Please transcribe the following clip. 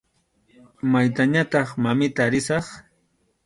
Maytañataq, mamita, risaq.